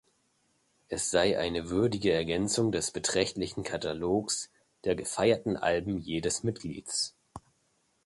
Es sei eine würdige Ergänzung des beträchtlichen Katalogs der gefeierten Alben jedes Mitglieds.